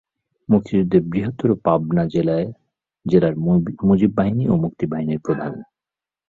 মুক্তিযুদ্ধে বৃহত্তর পাবনা জেলার মুজিব বাহিনী ও মুক্তিবাহিনীর প্রধান।